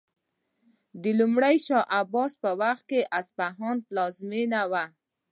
د لومړي شاه عباس په وخت اصفهان پلازمینه و.